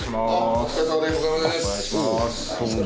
お疲れさまです。